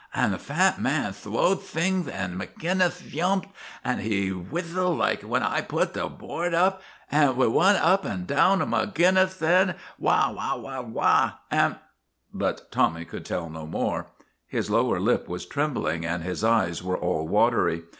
" An' the fat man thwowed thingth an' Magin nith yumped. An' he whithled like when I put the board up. An' we wunned up an' down an' Magin nith thaid 'wa! wa! wa!' An' " But Tommy could tell no more. His lower lip was trembling and his eyes were all watery.